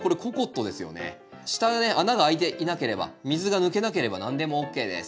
下ね穴が開いていなければ水が抜けなければ何でもＯＫです。